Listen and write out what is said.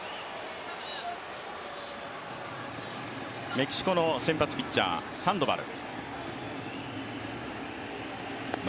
メキシコの先発ピッチャー、サンドバル。